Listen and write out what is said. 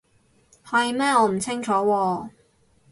係咩？我唔清楚喎